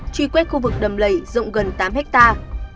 truy quét khu vực đầm lầy rộng gần tám hectare